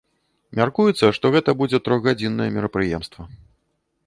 Мяркуецца, што гэта будзе трохгадзіннае мерапрыемства.